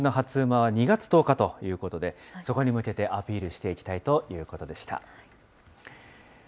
ことしの初午は２月１０日ということで、そこに向けてアピールしていきたいということでした。